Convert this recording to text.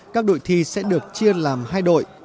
hai nghìn một mươi sáu các đội thi sẽ được chia làm hai đội